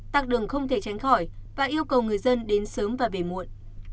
tạc đường không thể tránh khỏi và yêu cầu người dân đến sớm và về muộn